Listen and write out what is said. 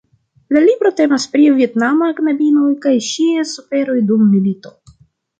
La libro temas pri vjetnama knabino kaj ŝiaj suferoj dum milito.